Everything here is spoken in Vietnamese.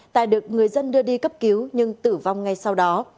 tài được người dân đưa đi cấp cứu nhưng tử vong ngay sau đó